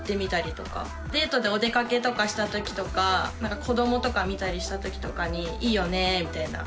デートでお出かけとかした時とか子どもとか見たりした時とかに「いいよね」みたいな。